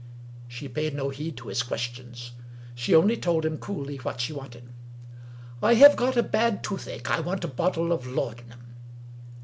She paid no heed to his questions. She only told him coolly what she wanted. " I have got a bad toothache. I want a bottle of laudanum."